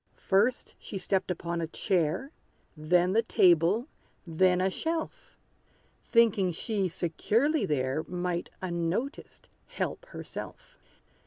First, she stepped upon a chair; Then the table then a shelf; Thinking she securely there Might, unnoticed, help herself.